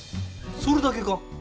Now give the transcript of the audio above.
それだけか？